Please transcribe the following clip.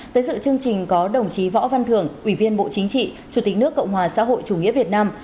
tới dự chương trình có đồng chí võ văn thưởng ủy viên bộ chính trị chủ tịch nước cộng hòa xã hội chủ nghĩa việt nam